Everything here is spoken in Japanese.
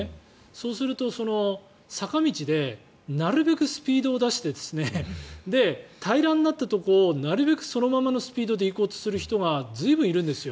そうすると、坂道でなるべくスピードを出して平らになったところをなるべくそのままのスピードで行こうとする人が随分いるんですよ。